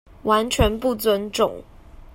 完全不尊重